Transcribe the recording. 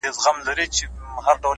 سیاه پوسي ده ترې کډي اخلو